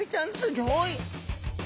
ギョい。